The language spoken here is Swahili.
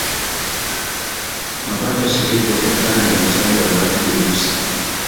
Mapato ya shirika hutokana na michango ya watu binafsi.